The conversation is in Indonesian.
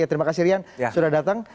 terima kasih rian sudah datang